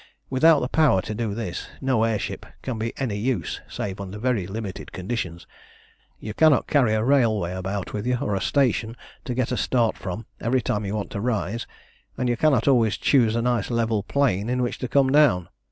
"Without the power to do this no air ship can be of any use save under very limited conditions. You cannot carry a railway about with you, or a station to get a start from every time you want to rise, and you cannot always choose a nice level plain in which to come down.